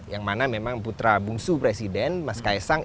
yang mana memang putra bungsu presiden mas kaisang